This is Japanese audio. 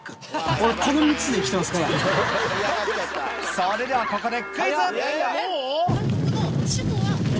それではここで